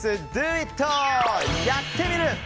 「やってみる。」。